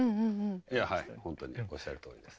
本当におっしゃるとおりです。